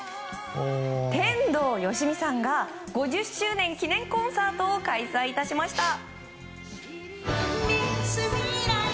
天童よしみさんが５０周年記念コンサートを開催致しました。